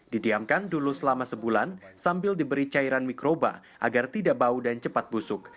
didiamkan dulu selama sebulan sambil diberi cairan mikroba agar tidak bau dan cepat busuk